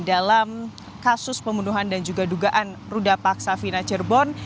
dalam kasus pembunuhan dan juga dugaan ruda paksa fina cirebon